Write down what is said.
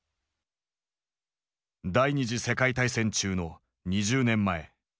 第二次世界大戦中の２０年前。